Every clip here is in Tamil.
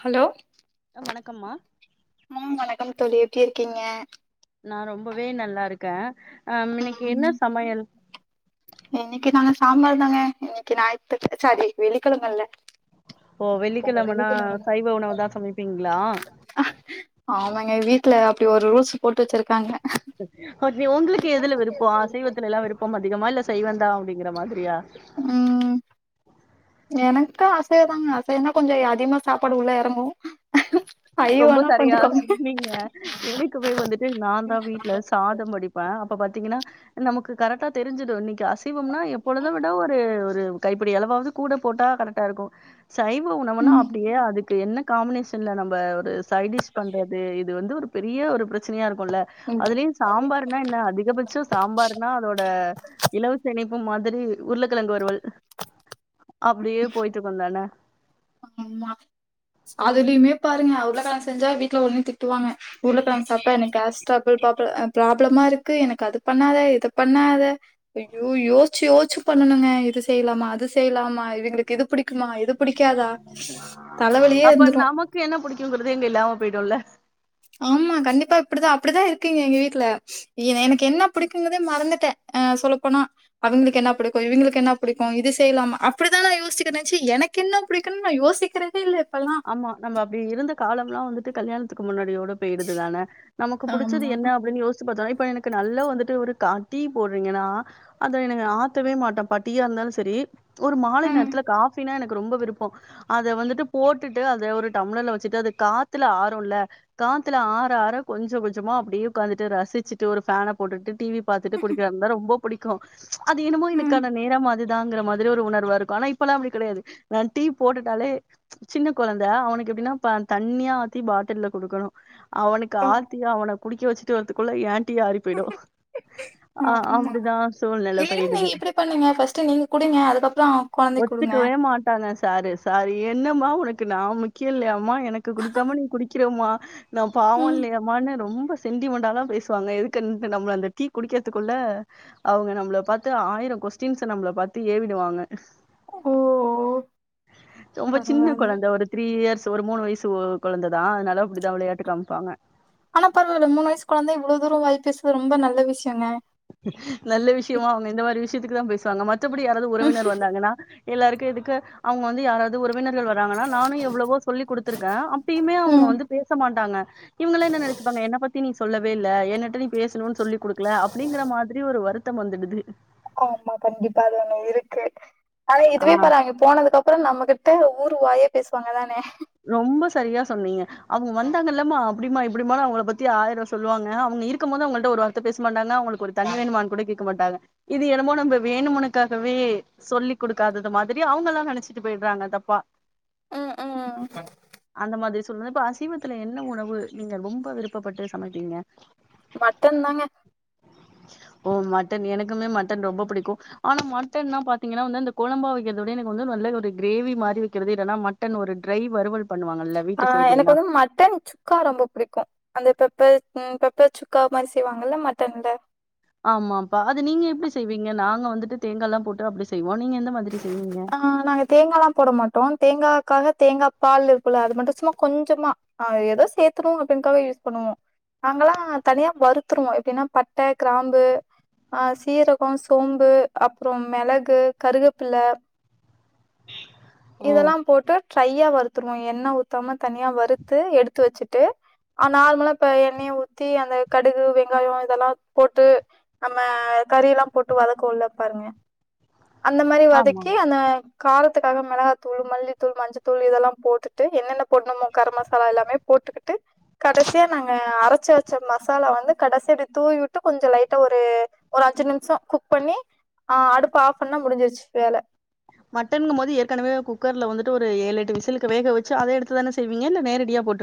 ஹலோ ஆ வணக்கம்மா ம் வணக்கம் தோழி எப்டி இருக்கீங்க நா ரொம்பவே நல்லா இருக்க ஆம் இன்னைக்கு என்ன சமையல் இன்னிக்கி நாங்க சாம்பார் தாங்க இன்னிக்கி ஞாயித்து சாரி வெள்ளிக்கெழமல ஓ வெள்ளிக்கெழமனா சைவ உணவு தா சமைப்பீங்ளா எங்க வீட்ல அப்டி ஒரு ரூல்ஸ்ஸு போட்டு வெச்சுருக்காங்க ஒசி உங்களுக்கு எதுல விருப்போ அசைவத்துலெல்லா விருப்பம் அதிகமா இல்லஸ் தெய்வந்தா அப்டிங்கற மாதிரியா ம் எனக்கு அசைவோங்க அசைவோன்னா கொஞ்சோ அதிகமா சாப்பாடு உள்ள எறங்கு ரொம்ப சைவனா சரியா கொஞ்சோ கம்மி சொன்னீங்க எனக்குமே வந்துட்டு நாந்தா வீட்ல சாதம் வடிப்ப அப் இப்ப பாத்தீங்கன்னா நமக்கு கரெட்டா தெரிஞ்சுரு இன்னிக்கி அஸ் சிவம்னா எப்பொழுது விட ஒரு இது கைப்புடி அளவாவது கூட போட்டா கரெட்டா இருக்கு சைவ உணவுனா ம் அப்டியே அதுக்கு என்ன காம்பினேஷன்ல நம் நம்ப ஒருஸ் சைடிஷ் பண்றது இது வந்து ஒரு பெரிய ஒரு பிரச்சனையா இருக் குல்ல அதுலயு சாம்பார்னா என்ன அதிகபட்சோ சாம்பார்னா அதோட இலவச இணைப் ப்பு மாதிரி உருளக்கெழங்கு வருவல் அப்டியே போயிட்டு இருக்குந்தான ஆமா அதுலயுமே பாருங்க உருளக்கெழங்கு செஞ்சா வீட்ல ஒடனே திட்டுவாங்க உருளக்கெழங்கு சாப்ட எனக்கு கேஸ் ஸ்ரபுள் பாப்புலர் பிராபுளமா இரு கு எனக்கு அது பண்ணாத இத பண்ணாத ஐயோ யோச்சு யோச்சு பண்ணனுங்க இது செய்யலாமா அது செய்யலாமா இவிங்களுக்கு இது புடிக்குமா இது புடிக்கா அப்ப நமக்கு என்ன புடிக்குங்கிறது இங்க இல்லாம் விடும்ல ஆமா கண்டிப்பா இப்படிதான் அப்படிதான் இருக்குங்க எங்க வீட்டுல எனக்கு என்ன பிடிக்குங்கிறதே மறந்துட்டேன்ஹ சொல்லப்போனா அவங்களுக்கு என்ன பிடிக்கும் இவங்களுக்கு என்ன பிடிக்கும் இது செய்யலாம அப்படிதான் நான் யோசிக்கிறேனுச்சு எனக்கு என்ன பிடிக்கும்னு நான் யோசிக்கிறதே இல்ல இப்பல்லா ஆமா நம்ம அப்படி இருந்த காலம் எல்லாம் வந்துட்டு கல்யாண முன்னாடி ஒன்று போயிடுது தானே நமக்கு புடிச்சது ஆமா என்ன அப்படின்னு யோசிச்சு பார்த்தாலே இப்ப எனக்கு நல்லா வந்துட்டு டீ போடுறீங்கன்னா அதை எனக்கு ஆத்தவே மாட்டோம் டீ யா இருந்தாலும் சரி ஒரு மாலை ம் நேரத்துல காபினா எனக்கு ரொம்ப விருப்பம் அத வந்துட்டு போட்டுட்டு அது ஒரு டம்ளர்ல வச்சுட்டு அது காத்துல ஆரும்ல காத்துல ஆற ஆற கொஞ்சம் கொஞ்சமா அப்படியே உட்காந்துட்டு ரசிச்சுட்டு ஒரு ஃபேனை போட்டுட்டு டிவி பாத்துட்டு குடிக்கந்தான் ரொம்ப பிடிக்கும் இருக்கும் அது என்னமோ ம் எனக்கான நேரம் அது தான்ங்கிற மாதிரி ஒரு உணர்வா இருக்கும் ஆனா இப்பெல்லாம் அப்படி கிடையாது நான் டீ போட்டுட்டாலே சின்ன குழந்தை அவனுக்கு எப்படின்னா தண்ணியா ஆத்தி பாட்டில்ல கொடுக்கணும் அவனுக்கு ஓ ஆத்தி தான் அவனை குடிக்க வச்சுட்டுவரத்துக்குள்ள ஏ ஆமா அப்டிதா சூழ்நில இல்லனா போயிடுது நீங்க இப்படி பண்ணுங்க பர்ஸ்ட் நீங்க குடுங்க அதுக்கப்புறம் குழந்தை குடுங்க சார் சாரா ஏ என்னம்மா உனக்கு நான் முக்கியம் இல்லையம்மா எனக்கு குடுக்காம நீ குடிக்கிறமா நான் பாவம் ம். இல்லையா அம்மான்னு ரொம்ப சென்டிமெண்டாலாம் பேசுவாங்க எதுக்கு நம்மள அந்த டீ குடிக்கிறதுக்குள்ள அவங்க நம்மளை பார்த்து ஆயிரம் கொஸ்டின்ஸ நம்மளை பார்த்து ஏவிடுவாங்க ஓஓஓ ரொம்ப சின்ன குழந்தை ஒரு த்ரீ இயர்ஸ் ஒரு மூணு வயசு குழந்தைதான் அதனால அப்படிதான் விளையாட்டு காமிப்பாங்க ஆனா பரவால மூண வயசு கொழந்த இவ்வளவு தூரம்வாய் பேசுரது ரொம்ப நல்ல விஷயம் நல்ல விஷயமா அவங்க இந்த மாதிரி விஷயம் இதுக்கு தான் பேசுவாங்க மாரி மத்தபடி யாராவது உறவினர் வந்தாங்கன்னா எல்லாருக்கும் இதுக்கு அவங்க வந்து யாராவது ஒரு வீரர்கள் வராங்கன்னா நானும் எவ்வளவோ சொல்லி கொடுத்திருக்கேன் அப்பயுமே அவங்க ம். வந்து பேச மாட்டாங்க இவங்கள நினைச்சப்பாங்க என்ன பத்தி நீ சொல்லவே இல்லை என்னிட்ட நீ பேசணும்னு சொல்லி கொடுக்கல அப்ப அப்படிங்கற மாதிரி ஒரு வருத்தம் வந்துடுது ஆமா கண்டிப்பா அதுல ஒண்ணு இருக்கு ஆனா ஆ இதுவே பாருங்க போனதுக்கு அப்புறம் நம்மகிட்ட ஊர் வாயே பேசுவாங்க அதானே ரொம்ப சரியா சொன்னீங்க அவங்க வந்தாங்க இல்லம்மா அப்படிமா இப்படிமா அவங்கள பத்தி ஆயிரோ சொல்லுவாங்க அவங்க இருக்கு போது அவங்கள்ட ஒரு வார்த்தை பேச மாட்டாங்க அவங்களுக்கு ஒரு தண்ணி வேணுமான்னு கூட கேட்க மாட்டாங்க இது எனனமோ நம்ம வேணுமனுக்காகவே சொல்லி் கொடுக்காதது மாதிரி அவங்க எல்லா நினைச்சிட்டு போயிடுறாங்க தப்பா ம் ம் அந்த மாதிரி சொல்ல இப்ப அசைவத்துல என்ன உணவு நீங்க ரொம்ப விருப்பப்பட்டு சமைப்பீங்க மட்டன் தாங்க ஓ மட்டன் எனக்குமே மட்டன் ரொம்ப புடிக்கு ஆனா மட்டன்ன்னா பாத்தீங்கனா வந்து அந்த கொழம்பா வக்கிறத விட எனக்கு வந்து நல்ல ஒரு கிரேவி மாரி வக்கிறது இல்லனா மட்டன் ஒரு ட்ரை வருவல் ஆ எனக்கு வந்து மட்டன் சுக்கா ரொம்ப புடிக்கு அந்தப்பெப்பர் ம் பெப்பர் சுக்கா மாரி செய்வாங்கல்ல மட்டன்ல ஆமாப்பா அது நீங்க எப்டி செய்வீங்க நாங்க வந்துட்டு தேங்காலா போட்டு அப்டி செய்வோ நீங்க எந்த மாதிரி செய்வீங்க ஆ நாங்க தேங்காலா போட மாட்டோ தேங்காக்காக தேங்காபால் இருக்கும்ல்ல அது மட்டு சும்மா கொஞ்சமா ஆ ஏதோ சேர்த்தணு அப்டினுகாக யூஸ் பண்ணுவோ நாங்கெலா தனியா வருத்ருவோ எப்டினா பட்ட கிராம்பு அ சீரகோ சோம்பு அப்றம் மெளகு கருகப்பில்ல ஓ இதெல்லா போட்டா ட்ரையா வரு ஊத்ருவோ எண்ண ஊத்தாம தனியா வறுத்து எடுத்து வச்சுட்டு ஆ நார்மலா இப்ப எண்ணெய ஊத்தி அந்த கடுகு வெங்காயோ இதெலா போட்டு நம்ம கறிலா போட்டு வதக்குவோல்ல பாருங்க அந்த மாரி ஆமா வதக்கி அந்த கார ரத்துக்காக மெளகாத்தூள் மல்லித்தூள் மஞ்சத்தூள் இதெலா போட்டுட்டு என்னென்ன போட்ணுமோ கர மசாலா எல்லாமே போட்டுக்கிட்டு கடசியா நாங்க அரச்சு வச்ச மசாலா வந்து கடசி ப்டி தூவிவிட்டு கொஞ்சோ லைட்டா ஒரு அஞ்சு நிமிஷோ குக் பண்ணி ஆ அடுப்ப ஆஃப் பண்ணா முடிஞ்சிருச்சு வேல மட்டனுங்போது ஏற்கனவே குக்கர்ல வந்துட்டு ஒரு ஏழு எட்டு விசிலுக்கு வேக வச்சு அத எடுத்துதானே செய்வீங்க இல்ல நேரடியா போட்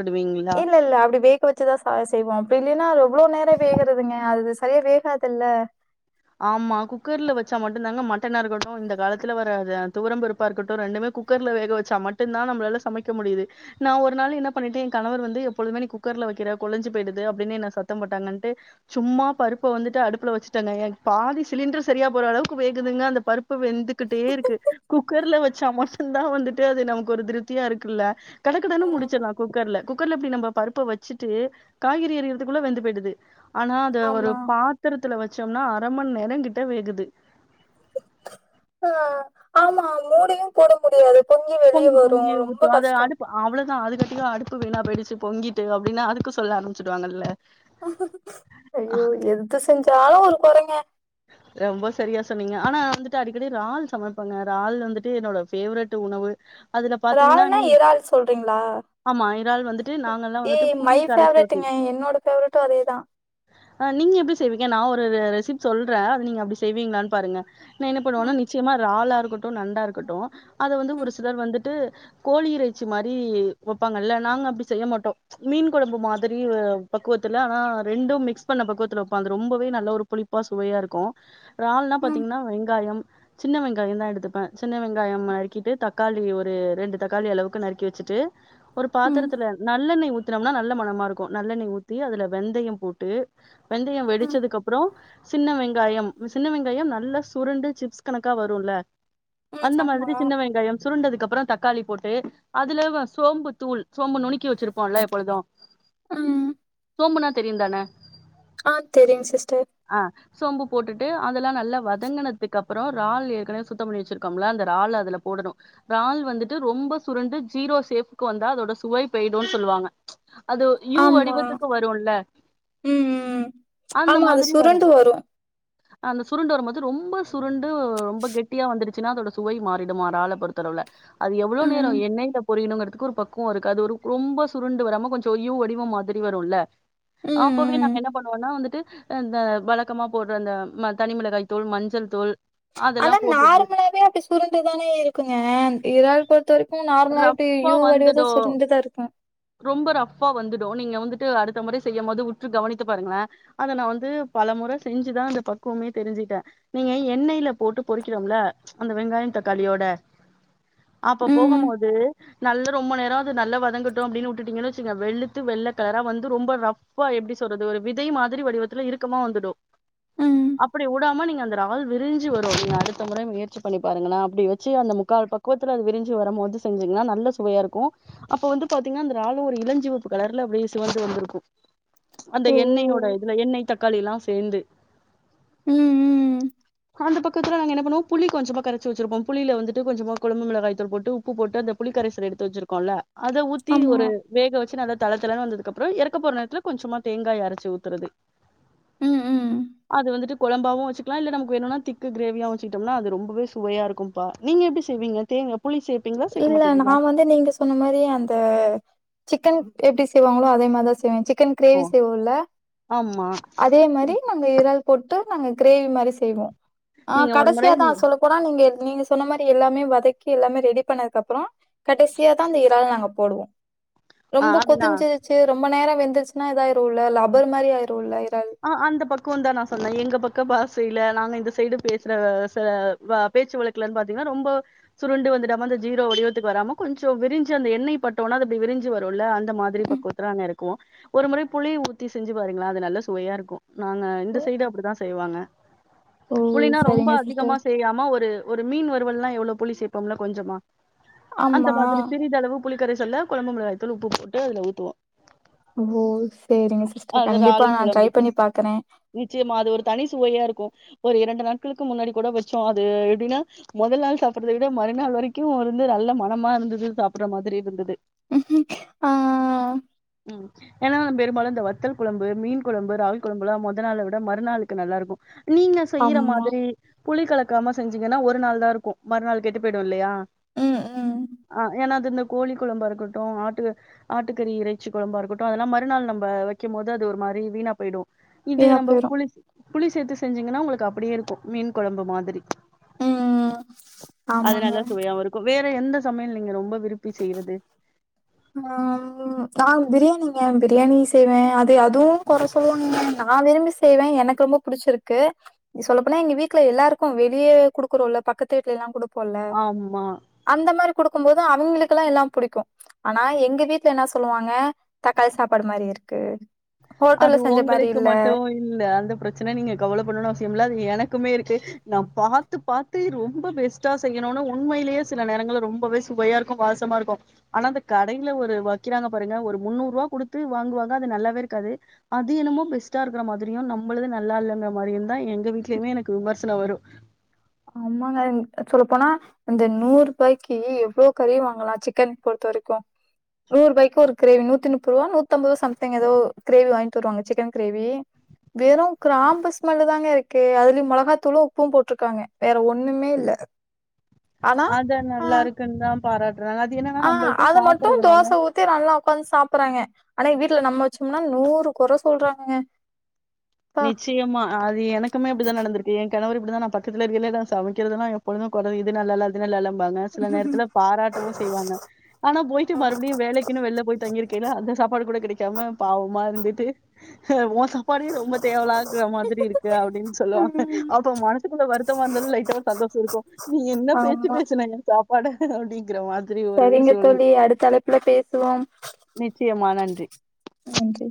இல்லல்ல அப்டி வேக வச்சுதா செய்வோ அப்டில்லினா எவ்ளோ நேரோ வேகுறதுங்க அது அதே வேகாதுல்ல ஆமா குக்கர்ல வச்சா மட்டுதாங்க மட்டனா இருக்கட்டு இந்த காலத்துல வர துவரம்பருப்பா இருக்கட்டு ரெண்டுமே குக்கர்ல வேக வச்சா மட்டும்தா நம்பளால சமைக்க முடியுது நா ஒரு நாள் என்ன பண்ணிட்டே என் கணவர் வந்து எப்பொழுதுமே நீ குக்கர்ல வக்கிற கொழஞ்சு போயிடுது அப்டின் என்ன சத்தம் போட்டாங்கன்ட்டு சும்மா பருப்ப வந்துட்டு அடுப்புல வச்சுட்டேங்க எ பாதி சிலிண்ட்ரு சரியா போற அளவுக்கு வேகுதுங்க அந்த பருப் ப்பு வெந்துகிட்டேருக்கு குக் குக்கர்ல வச்சா மட்டுந்தா வந்துட்டு அது நமக்கு ஒரு திருப்தியாருக்குல்ல கடகடனு முடிச்சுடலா குக்கர்ல குக்கர்ல அப்டி நம்ப பருப்ப வச்சுட்டு காய்கறி அறியிறதுக்குள்ள வெந்து பேயி்டுது ஆனா அத ஒரு ஆமா பாத்தரத்துல வச்சோம்னா அர மண் நேரம் கிட்ட வேகுது ஆ ஆமா மூடியு போட முடியாது வெளிய பொங்கி வரு பொங்கி ரொம்ப ஊத்து அத கஷ்டோ அடுப்பு அவ்ளதா அதுக அடுப்பு வீணா பேயிடுச்சி பொங்கிட்டு அப்டினா அதுக்கு சொல்ல ஆரம்புச்சிடுவாங்கல்ல ஐயோ எதுத செஞ்சாலு ஒரு கொறெங்க ரெம்ப சரியா சொன்னீங்க ஆனா வந்துட்டு அடிக்கடி றால் சமைப்பங்க றால் வந்துட்டு என்னோட ஃபேவரட் உணவு அதுல பாத்தீங்கன்னா இறால்னா நீ இறால் சொல்றீங்ளா ஆமா இறால் வந்துட்டு நாங்கலாம் ஏ வந்துட்டு மை புளி கரைச்சு ஊத்தி ஃபேவரட்டுங்க என்னோட ஃபேவரட்டு அதேதா நீங்க எப்டி செய்வீங்க நா ஒரு ரெசிபி சொல்றே அது நீங்க அப்டி செய்வீங்ளான் பாருங்க என்ன பண்ணுவேனா ம், நிச்சயமா ராலா இருக்கட்டு நண்டாருக்கட்டு அத வந்து ம், ஒரு சிலர் வந்துட்டு கோழி இறைச்சி மாரி வப்பாங்கல்ல நாங்க அப்டி செய்ய மாட்டோ மீன் கொழம்பு மாதிரி பக்குவத்துல ஆ ரெண்டு மிக்ஸ் பண்ண பக்குவத்துல வப்போ அது ரொம்பவே நல்ல ஒரு புளிப் பா சுவையா இருக்கு றால்னா ம், பாத்தீங்னா வெங்காயோ சின்ன வெங்காயந்தா எடுத்துப்பே சின்ன வெங்காயம் நறுக்கிட்டு தக்காளி ஒரு ரெண்டு தக்காளி அளவுக்கு நறுக்கி வச்சுட்டு ஒரு ம், பாத்துரத்துல நல்லெண்ணை ஊத்தினம்னா நல்ல மனமா இருக்கோ நல்லெண்ணெய் ஊத்தி அதுல வெந்தயம் போட்டு வெந்தய ம், வெடிச்சதுக்கப்ரோ சின்ன வெங்காயம் சின்ன வெங்காயம் நல்ல சுரண்டு சிப்ஸ் கணக்கா வருல்ல ம். அந்த ஆமா. மாதிரி சின்ன வெங்காயம் சுருண்டதுக்கப்ரோ தக்காளி போட்டு அதுல வ சோம்பு தூள் சோம்பு நுனுக் கி வச்சிருப்போல எப்பொழுதோ ம். சோம்புநா தெரியுந்தான ஆ தெரியு சிஸ்டர் ஆ சோம்பு போட்டுட்டு அதெல்லா நல்லா வதங்குனதுக்கப்றோ இறால் ஏற்கனவே சுத்தம் பண்ணி வச்சிருக்கோம்ல அந்த இறால அதுல போடனு இறால் வந்துட்டு ரொம்ப சுருண்டு ஜீரோ சேபுக்கு வந்தா அதோட சுவை போயிடுனு சொல்லுவாங்க அது ஒ யூ ஆமா. வடிவத்துக்கு வறோல்ல அந்த மாதிரி வரு ண்டு வரு அந்த சுருண்டு வரும்போது ரொம்ப சுருண் து ரொம்ப கெட்டியா வந் சினா அதோட சுவை மாறிடுமா இறால பொறுத்தளவுல அது எவ்வளோ நேர ம், எண்ணெய்ல பொரியுனு க்கு ஒரு பக்குவோ இருக்கு அது ஒரு ரொம்ப சுருண்டுவராம கொஞ்ச யூ வடிவம் மாதிரி வரு இல்ல ம், அ அப்பவே நாங்க ம். என்ன பண்ணுவோனா வந்துட்டு அந்த வழக்கமா போட்ற அந்த ம தனிமிளகாய் தூல் மஞ்சள் தூல் ஆனா நார்மலாவே அப்டி சுருண்டுதானே இருக்குங்க இரால் பொறுத்தவரைக்கு நார்மலாவே அப்டி ரஃப்பா யூ வடிவத்ல வந்துடு சுருண்டுதா இருக்கு ரொம்ப ரஃப்பா வந்துடு நீங்க வந்துட்டு அடுத்த முறை செய்யும் போது உற்று கவனித்து பாருங்களே அத நா வந்து பல மொற செஞ்சுதா இந்த பக்குவமே தெரிஞ்சுட்டே நீங்க எண்ணெயில போட்டு பொறிக்கிறோம்ல அந்த வெங்காய தக்காளியோட அப்ப போகம் ம், போது நல்ல ரொம்ப நேரோ அது நல்லா வதங்கட்டோ அப்டினு உட்டுடிங்கனு வச்சிக்க வெலுத்து வெள்ள கலரா வந்து ரொம்ப ரஃபா எப்டி சொல்றது ஒரு விதை மாதிரி வடிவத்துல இருக் க்கமா வந்துடோ ம். அப்டி உடா மா நீங்க அந்த றாள் விரி்ஞ்சி வரும் நீங்க அடுத்த முற முயற்சி பண்ணி பாருங்கங்களா அப்டி வச்சி அந்த முக்கால் பக்குவத்துல அது விரி்ஞ்சி வரம்மோது செஞ்சீங்கினா நல்ல சுவையா இருக்கோ அப்ப வந்து பாத்தீங்கனா அந்த றாளும் ஒரு இளஞ்சிவப்பு கலர்ல அப்டே சிவந்து வந்துருக்கோ அந்த ஓ! எண்ணெயோட இதுல எண்ணெய் வேல எல்லாம் சேந்து ம் ம் அந்த பக்கத்துல நாங்க என்ன பண்ணுவோ புளி கொஞ்சமா கரைச்சி வச்சிருப்போ புளில வந்துட்டு கொஞ்சமா கொழம்பு மிளகாய்தூள் போட்டு உப்பு போட்டு அந்த புளிக்கரைசல எடுத்து வச்சிருகோல அத ஊத்தி ஆமா. ஒரு வேக வச்சி நல்லா தளதளனு வந்ததுகப்றோ எறக்கபோற நேரத்துல கொஞ்சமா தேங்காய அறச்சி ஊத்தறது ம், ம். அது வந்துட்டு கொழம்பாவு வெச்சிக்கலாம் இல்ல நமக்கு வேணுன்னா திக்கு கிரேவியாவு வச்சிக்கிட்டோம்னா அது ரொம்பவே சுவையா இருக்கும்பா நீங்க எப்டி செய்வீங்க தேங்கல இல்ல நா வந்து நீங்க சொன்ன மாரியே அந்த சிக்கன் எப்டி செய்வாங்களோ அதே மாரிதான் செய்வேன் சிக் கன் ஓ கிரேவி செய்வோல்ல ஆமா அதேமாரி நம்ம இறால் போட்டு நாங்க கிரேவி மாரி செய்வோ ஆ நீங்க ஒரு முறை கடைசியாதா சொல்லபோனா நீங்க எங் நீங்க சொன்ன மாரி எல்லாமே வதக்கி எல்லாமே ரெடி பண்ணதுக்கு அப்புறம் கடைசியா தா அந்த இறால் நாங்க போடுவோ ஆ ரொம்ப அது நா கொதிஞ்சிருச்சி ரொம்ப ரொம்ப நேரம் வெந்துருச்சினா இதாயிருல்ல லப்பர்மாரி ஆயிருல்ல இறால் ஆ அந்த பக்கம்தா நா சொன்ன எங்க பக்க பாஸ் ஸைல நாங்க இந்த சைடு பேசற ச ப பேச்சு வழக்கலன்னு பாத்தீங்கினா ரொம்போ சுருண்டு வந்துடாம அந்த ஜீரோ வடிவத்துக்கு வராம கொஞ்சோ விரி்ஞ்சி அந்த எண்ணெய் பட்ட ஒன்ன அது அப்டி விரி்ஞ்சி வரும் இல்ல அந் த மாதிரி ம். பக்குவத்துல நாங்க எறக் குவோ ஒரு முறை புளி ஊத்தி செஞ்சி பாருங்களா அது நல்லா சுவையா இருக்கும் நாங்க இந்த சைடு அப்டிதா செய்வாங்க ஓ புளினா ரொம்ப சரிங்க அதிகமா சிஸ்டர் செய்யாம ஒரு ஒரு மீன் வருவல்னா எவ்ளோ புளி சேப்போம் இல்ல கொஞ்சமா அந்த ஆமா மாதிரி சிறிதளவு புளி கரைசல்ல கொழம்பு மிளகாய்தூள் உப்பு போட்டு அதுல ஊத்துவோ ஓ செரிங்க சிஸ்டர் கண்டிப்பா நா புல ட்ரை பண்ணி பாக்குறே நிச்சயமா அது ஒரு தனி சுவையா இருக்கு ஒரு இரண்டு நாட்களுக்கு முன்னாடி கூட வச்சோ அது எப்டினா மொதல் நாள் சாபிட்றத விட மறுநாள் வரைக்கு இருந்து நல்ல மனமா இருந்தது சாபட்ற மாதிரி இருந்தது ம் ஆ ம் ஏன்னா பெரும்பாலு இந்த வத்தல் குழம்பு மீன்க் குழம்பு இறால் குழபுல்லா மொத நாள விட மறுநாளுக்குதா நல்லா இருக்கு நீங்க செய்யுற ஆமா மாதிரி புளிகலக் ரொம்ப செஞ்சீங்கனா ஒரு நாள் தா இருக்கு மறுநாள் கெட்டு போயிடுயில்லையா ம், ம். ஆ ஏன்னா அதுன்னுப் கோழி கொழம்பாருக்கட்டு ஆட்டு ஆட்டுக்கறி இறைச்சி கொழம்பாருக்கட்டு அதுலா மறுநாள் நம்ப வக்கும் போது அது ஒரு மாரி வீனா போயிடு இது வீணா நம்ம போயிரும். புளி புளி சேத்து செஞ்ஞீங்கனா உங்களுக் அப்டியே இருக்கு மீன் கொழம்பு மாதிரி உம் உம் அது ஆமாங்க நல்லா சுவையாவும் இருக்கும். வேற எந்த சமயல் நீங்க ரொம்ப விரும்பி செய்றது ஹம் நா பிரியாணிங்க பிரியாணி செய்வே அது அதுவு கொற சொல்வாங்க நா விரும்பி செய்வே எனக்கு ரொம்ப புடிசிருக்கு சொல்ல போனா எங்க வீட்ல எல்லாருக்கு வெளிய கொடுகுறோல பக்கத்து வீட்ல எல்லா குடு போல ஆமா. அந்த மாரி குடுக் க்கும் போது அவுங்களுக்லா எல்லா புடிக்கு ஆனா எங்க வீட்ல என்ன சொல்வாங்க தக்காளி சாப்பாடு மாரி இருக்கு ஹோட்டல்ல அது செஞ்ச மாரி ஒங்களுக்கு இல்ல. மட்டு இல்ல அந்த பிரசனை நீங்க கவல படனுன்னு அவசியம் இல்ல அது எனக்கு மே இருக்கு நா பாத்து-பாத்து ரொம்ப பெஸ்டா செய்யணுனு உண்மைலே சில நேரங்கள ரொம்பவே சுவையா இருக்கு வாசமா இருக்கு ஆனா அந்த கடயில ஒரு வக்குறாங்க பாருங்க ஒரு முன்னூறு ரூபா குடுத்து வாங்குவாங்க அது நல்லாவே இருக்காது அது என்னமோ பெஸ்டா இருக்குற மாதிரியு நம்மளது நல்லா இல்லங்கிற மாரியு தா எங்க வீட்லயுமே எனக்கு விமர்சனம் வரு ஆமாங்க சொல்லபோனா இந்த நூறு ரூபாய்கு எவ்ளோ கறி வாங்கலா சிக்கன் பொறுத்த வரைக்கு நூறு ரூபாய்கு ஒரு கிரேவி நூத்தி முப்பது ரூபா நூத்தி அம்பது ரூபா சம்திங் ஏதோ கிரேவி வாங்கிட்டு வருவாங்க சிக்கன் கிரேவி வெறு கிராம்பு ஸ்மெலு தாங்க இருக்கு அதுலயு மொளகாதூளு உப்பு போட்ருக்காங்க வேற ஒன்னுமே இல்ல ஆனா அத ஆ நல்லா இருக்குனு தா பாராட்றாங்க அது என்னா ஆ நம்மளுது சாப்பறதுனால சாப்புறாங்க ஆனா வீட்ல நம்ம வசோம்னா நூறு கொற சொல்றாங்க நிச்சயமா அது எனக்குமே அப்டிதா நடந்திருக்கு கணவர் இப்டிதா நா பக்கதில சமக்கிறது எப்பொழுது கொற இது நல்லால அது நல்லால ங்க சில நேரத்ல பாராட்டவு செய்வாங்க ஆனா போயிட்டு மறுபடியு வேலைக்குனு வெளில போய் தங்கி இருக்கேனா அந்த சாப்பாடு கூட கெடை சமா பாவமா இருந்துட்டு [unintelligible] சாப்பாடு ரொம்ப தேவலாக மாரி இருகு அப்டினு சொலுவாங்க அப்ப மனசுகுல வருதமருந்தாலு லைடா ஒரு சந்தோஷ இருகு நீ என பேச்சு ஆமா பேசுன சாப்ட் பட அப்டிங்கிறமாரி செரிங்க தோழி அடுத்த அளப்புல பேசுவோ நிச்சயமா நன்றி நன்றி